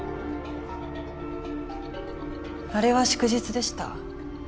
あれは祝日でした。